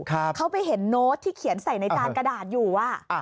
เขาไปเห็นโน้ตที่เขียนใส่ในจานกระดาษอยู่อ่ะอ่า